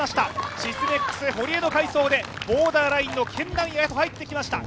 シスメックス堀井の快走でボーダーラインの圏内に入ってきました。